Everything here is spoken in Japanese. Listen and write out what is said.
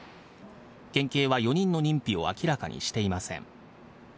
県警は４人の認否を明らかにしていません。